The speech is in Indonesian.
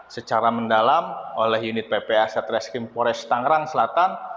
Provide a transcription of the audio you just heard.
secara mendalam oleh unit ppa satres krim polres tangerang selatan